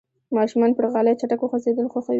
ماشومان پر غالۍ چټک خوځېدل خوښوي.